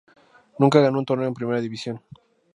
Nunca ganó un torneo en primera división.